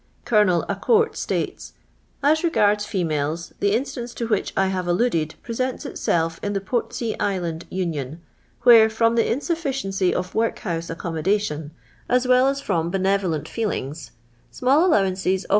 Colonel A'Gourt states :—' As regards females, the instance to which I have alluiletl presenU itself in the Portsea Island Union, where, from the insufficiency of workhouse accommodation, as well as from benevolent feel ings, small allowances of \*.